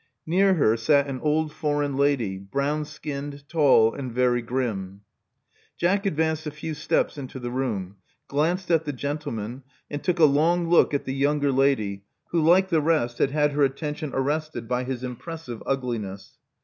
Near her sat an old foreign lady, brown skinned, tall, and very grim. Jack advanced a few steps into the room; glanced at the gentlemen ; and took a long look at the younger lady, who, like the rest, had had her attention arrested by his impressive ugliness.